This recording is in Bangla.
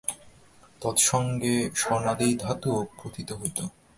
তৎসঙ্গে স্বর্ণাদি ধাতুও প্রোথিত হইত।